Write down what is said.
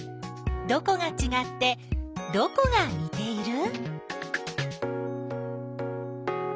どこがちがってどこがにている？